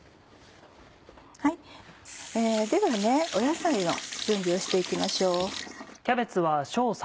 では野菜の準備をしていきましょう。